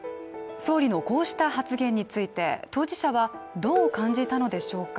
総理のこうした発言について、当事者はどう感じたのでしょうか。